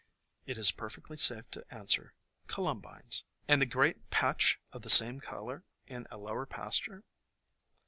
" it is perfectly safe to answer "Columbines." "And the great patch of the same color in a low pasture